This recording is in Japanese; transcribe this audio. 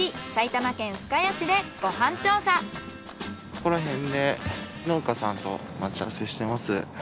ここら辺で農家さんと待ち合わせしてます。